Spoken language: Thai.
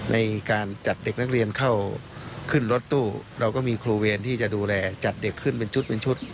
ในการจัดเด็กนักเรียนเข้าขึ้นรถตู้เราก็มีครูเวรที่จะดูแลจัดเด็กขึ้นเป็นชุดเป็นชุด